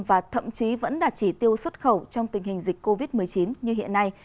và thậm chí vẫn đạt chỉ tiêu xuất khẩu trong tình hình dịch covid một mươi chín như hiện nay